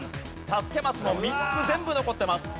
助けマスも３つ全部残ってます。